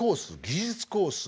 技術コース